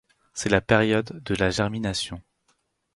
C’est la période de la germination.